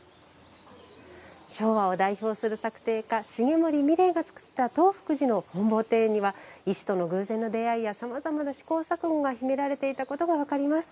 昭和を代表する作庭家重森三玲がつくった東福寺の本坊庭園には石との偶然の出会いやさまざまな試行錯誤が秘められていたことが分かります。